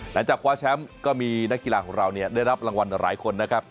หลังจากคว้าแชมป์ก็มีนักกีฬาของเราได้รับรางวัลหลายคนนะครับ